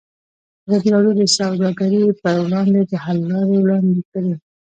ازادي راډیو د سوداګري پر وړاندې د حل لارې وړاندې کړي.